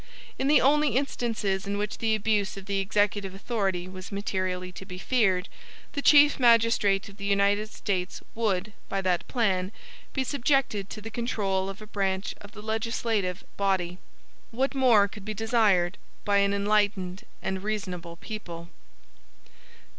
In the only instances in which the abuse of the executive authority was materially to be feared, the Chief Magistrate of the United States would, by that plan, be subjected to the control of a branch of the legislative body. What more could be desired by an enlightened and reasonable people?